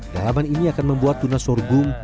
dalaman ini akan membuat tuna sorghum